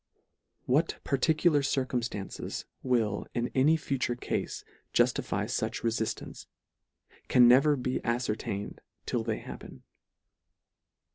What particular circumftances will in any future cafe juftify fuch refiftance, can never be afcertained till they happen.